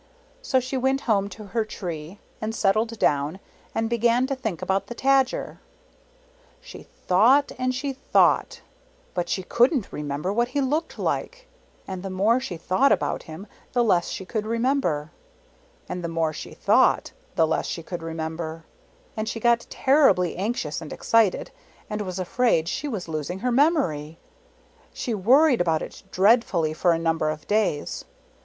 So she went home to her tree, and settled down and began to think about the Tajer. She thought and she thought, but she couldn't remember what he looked like, and the more she thought about him, the less she could remember ; and the more she thought the less she could remember; and she got terribly anxious and excited, and was afraid she was losing her memory. She worried about it dreadfully for a number of days.